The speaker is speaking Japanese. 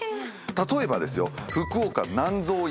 例えばですよ。